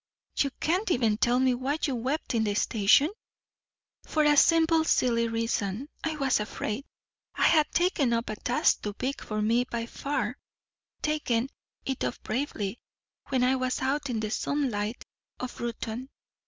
"You can't even tell me why you wept in the station?" "For a simple silly reason. I was afraid. I had taken up a task too big for me by far taken it up bravely when I was out in the sunlight of Reuton.